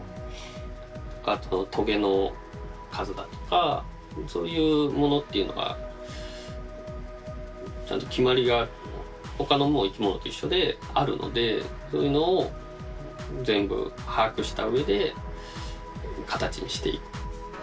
あとトゲの数だとかそういうものっていうのがちゃんと決まりが他の生き物と一緒であるのでそういうのを全部把握したうえで形にしていく。